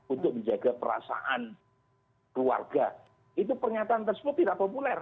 untuk menjaga perasaan keluarga itu pernyataan tersebut tidak populer